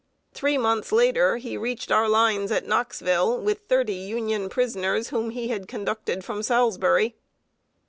Three months later he reached our lines at Knoxville, with thirty Union prisoners, whom he had conducted from Salisbury.